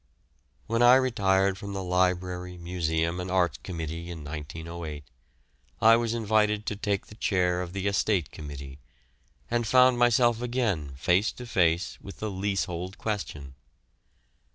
When I retired from the Library, Museum, and Arts Committee in 1908, I was invited to take the chair of the Estate Committee, and found myself again face to face with the leasehold question.